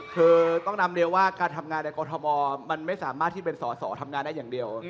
คือต้องนำเรียนว่าการทำงานในกรทมมันไม่สามารถที่เป็นสอสอทำงานได้อย่างเดียว